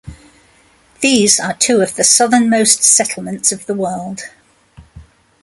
These are two of the southernmost settlements of the world.